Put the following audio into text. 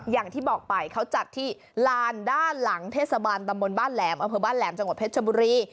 อย่างที่บอกไปเขาจัดที่ลานด้านหลังเทศบาลตำบลบ้านแหลมอำเภอบ้านแหลมจังหวัดเพชรชบุรี